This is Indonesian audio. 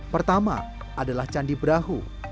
pertama adalah candi berahu